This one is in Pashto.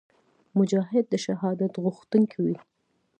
مجاهد د شهادت غوښتونکی وي.